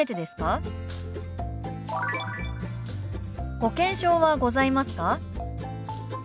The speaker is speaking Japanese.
「保険証はございますか？」。